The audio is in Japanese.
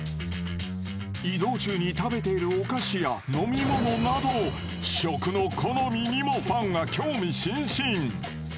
移動中に食べているお菓子や飲み物など食の好みにもファンは興味津々。